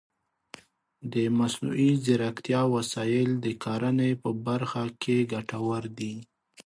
د مصنوعي ځیرکتیا وسایل د کرنې په برخه کې ګټور دي.